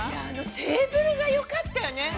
◆テーブルがよかったよね。